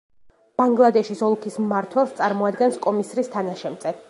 ბანგლადეშის ოლქის მმართველს წარმოადგენს კომისრის თანაშემწე.